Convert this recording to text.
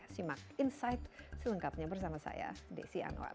simak insight selengkapnya bersama saya desi anwar